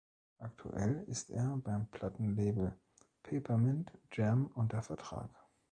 Aktuell ist er beim Plattenlabel Peppermint Jam unter Vertrag.